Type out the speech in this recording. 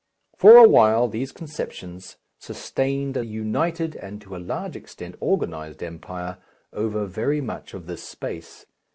For awhile these conceptions sustained a united and to a large extent organized empire over very much of this space.